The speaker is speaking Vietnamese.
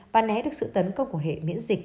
và né được sự tấn công của hệ miễn dịch